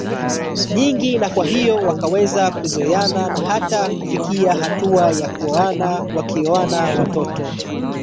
nyingi na kwa hiyo wakaweza kuzoeana na hata kufikia hatua ya kuoana Wakioana watoto